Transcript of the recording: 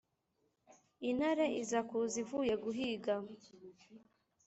intare iza kuza ivuye guhiga,